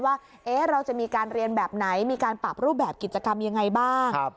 ว่าเราจะมีการเรียนแบบไหนมีการปรับรูปแบบกิจกรรมยังไงบ้าง